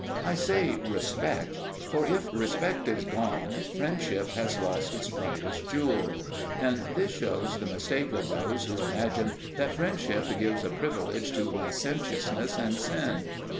I say "respect"; for if respect is gone, friendship has lost its brightest jewel. And this shows the mistake of those who imagine that friendship gives a privilege to licentiousness and sin.